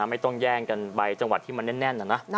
ไม่ต้องแย่งกันไปจังหวัดที่มันแน่นนะ